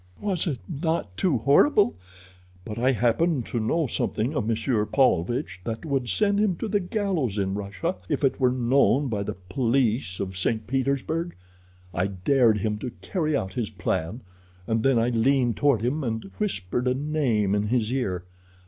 "Was it not too horrible? But I happened to know something of Monsieur Paulvitch that would send him to the gallows in Russia if it were known by the police of St. Petersburg. I dared him to carry out his plan, and then I leaned toward him and whispered a name in his ear.